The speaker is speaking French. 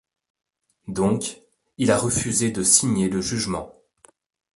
Donc, il a refusé de signer le jugement.